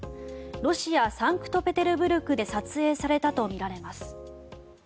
ロシア・サンクトペテルブルクで撮影されたとみられます。